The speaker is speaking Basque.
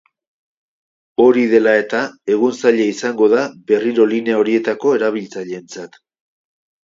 Hori dela eta, egun zaila izango da berriro linea horietako erabiltzaileentzat.